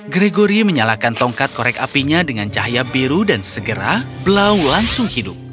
gregory menyalakan tongkat korek apinya dengan cahaya biru dan segera blau langsung hidup